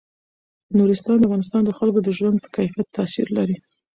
نورستان د افغانستان د خلکو د ژوند په کیفیت تاثیر لري.